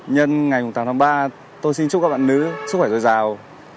nhân ngày tám tháng ba tôi xin chúc các bạn nữ sức khỏe rồi giàu